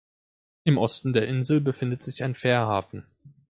Im Osten der Insel befindet sich ein Fährhafen.